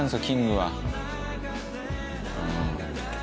キングは」